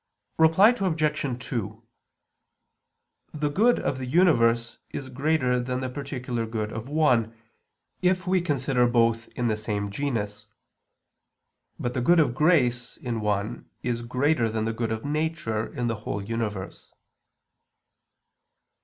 Reply Obj. 2: The good of the universe is greater than the particular good of one, if we consider both in the same genus. But the good of grace in one is greater than the good of nature in the whole universe.